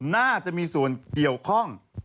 น่าจะมีส่วนเกี่ยวข้อง